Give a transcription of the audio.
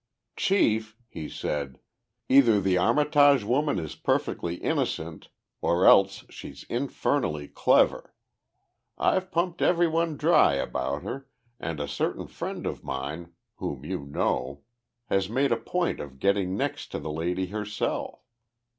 "Chief," he said, "either the Armitage woman is perfectly innocent or else she's infernally clever. I've pumped everyone dry about her, and a certain friend of mine, whom you know, has made a point of getting next to the lady herself.